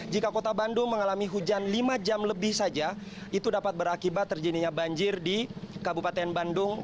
jika kota bandung mengalami hujan lima jam lebih saja itu dapat berakibat terjadinya banjir di kabupaten bandung